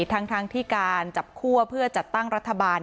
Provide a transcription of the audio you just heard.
ทั้งที่การจับคั่วเพื่อจัดตั้งรัฐบาล